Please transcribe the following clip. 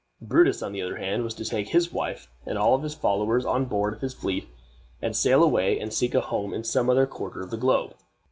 Brutus, on the other hand, was to take his wife and all his followers on board of his fleet, and sail away and seek a home in some other quarter of the globe.